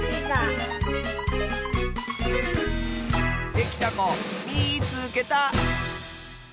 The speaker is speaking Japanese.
できたこみいつけた！